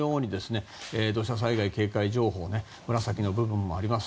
土砂災害警戒情報紫の部分もあります。